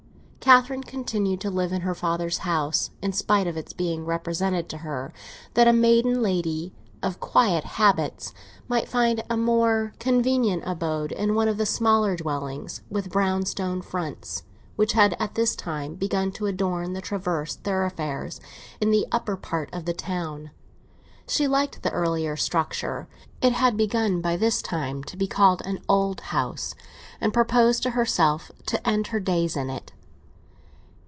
Catherine continued to live in her father's house in spite of its being represented to her that a maiden lady of quiet habits might find a more convenient abode in one of the smaller dwellings, with brown stone fronts, which had at this time begun to adorn the transverse thoroughfares in the upper part of the town. She liked the earlier structure—it had begun by this time to be called an "old" house—and proposed to herself to end her days in it.